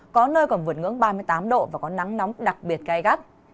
có nơi còn vượt ngưỡng ba mươi tám độ và có nắng nóng đặc biệt gai gắt